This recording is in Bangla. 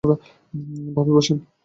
ভাবি, বসেন।